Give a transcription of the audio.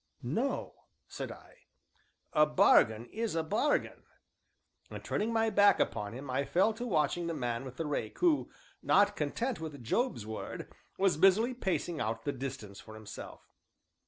"No," said I, "a bargain is a bargain," and turning my back upon him, I fell to watching the man with the rake, who, not content with Job's word, was busily pacing out the distance for himself.